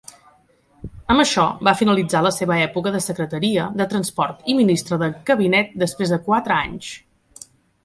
Amb això va finalitzar la seva època de secretaria de transport i ministra de cabinet després de quatre anys.